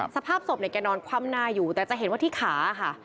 สภาพศพเนี่ยแกนอนคว่ำหน้าอยู่แต่จะเห็นว่าที่ขาค่ะ